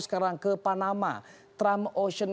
sekarang ke panama trump ocean